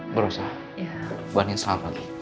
ibu yarsa mbak handin selamat pagi